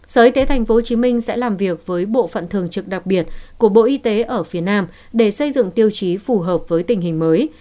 sở y tế tp hcm sẽ làm việc với bộ phận thường trực đặc biệt của bộ y tế ở phía nam để xây dựng tiêu chí phù hợp với tình hình mới